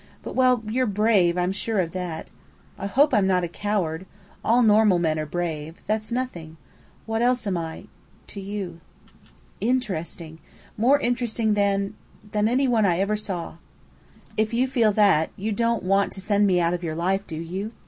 But well, you're brave; I'm sure of that." "I hope I'm not a coward. All normal men are brave. That's nothing. What else am I to you?" "Interesting. More interesting than than any one I ever saw." "If you feel that, you don't want to send me out of your life, do you?